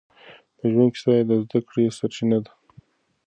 د ژوند کيسه يې د زده کړې سرچينه ده.